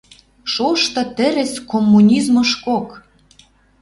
Шошты тӹрӹс коммунизмышкок.